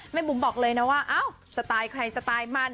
บุ๋มบอกเลยนะว่าสไตล์ใครสไตล์มัน